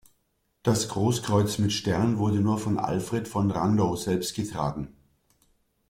Das Großkreuz mit Stern wurde nur von Alfred von Randow selbst getragen.